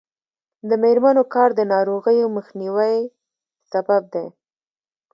د میرمنو کار د ناروغیو مخنیوي سبب دی.